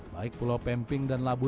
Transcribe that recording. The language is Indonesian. baik pulau pemping dan labu